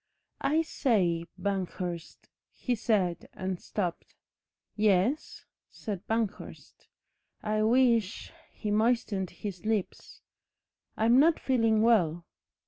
"I say, Banghurst," he said, and stopped. "Yes," said Banghurst. "I wish " He moistened his lips. "I'm not feeling well."